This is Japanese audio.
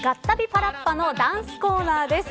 パラッパ！のダンスコーナーです。